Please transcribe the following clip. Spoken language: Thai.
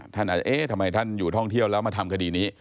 ท่านอาจจะเอ๊ะทำไมท่านอยู่ท่องเที่ยวแล้วมาทำคดีนี้